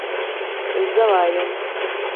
زه وايم